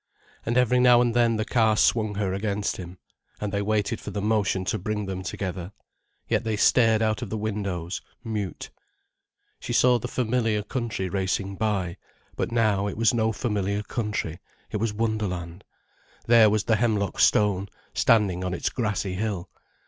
And every now and then the car swung her against him. And they waited for the motion to bring them together. Yet they stared out of the windows, mute. She saw the familiar country racing by. But now, it was no familiar country, it was wonderland. There was the Hemlock Stone standing on its grassy hill.